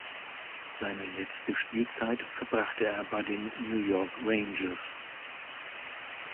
Seine letzte Spielzeit verbrachte er bei den New York Rangers.